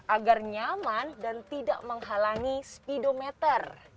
agar nyaman dan tidak menghalangi speedometer